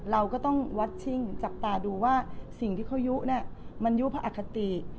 เราก็ต้องจับตาดูว่าสิ่งที่เขายู้น่ะยู้เพราะอัคษติ